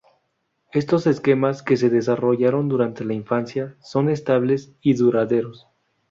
Estos esquemas, que se desarrollan durante la infancia, son estables y duraderos.